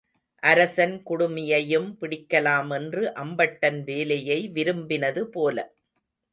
அரசன் குடுமியையும் பிடிக்கலாமென்று அம்பட்டன் வேலையை விரும்பினது போல.